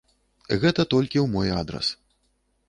Гэта толькі ў мой адрас.